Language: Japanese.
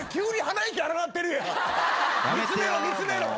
見つめろ見つめろ。